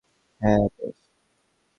হ্যাঁ - বেশ।